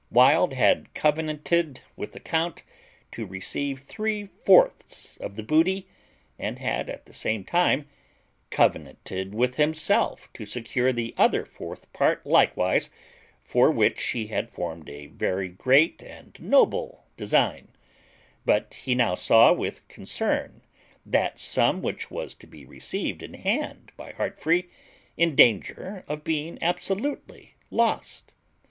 Wild had covenanted with the count to receive three fourths of the booty, and had, at the same time, covenanted with himself to secure the other fourth part likewise, for which he had formed a very great and noble design; but he now saw with concern that sum which was to be received in hand by Heartfree in danger of being absolutely lost.